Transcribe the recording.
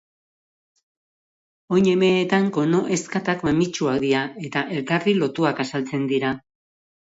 Oin emeetan kono-ezkatak mamitsuak dira eta elkarri lotuak azaltzen dira.